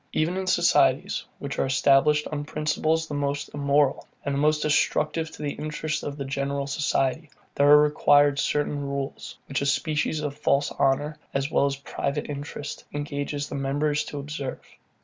Even in societies, which are established on principles the most immoral, and the most destructive to the interests of the general society, there are required certain rules, which a species of false honour, as well as private interest, engages the members to observe.